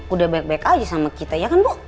udah baik baik aja sama kita ya kan bu